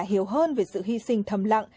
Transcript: hiểu hơn về sự hy sinh thầm lặng